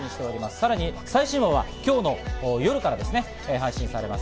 さらに最新話は今日の夜から配信されます。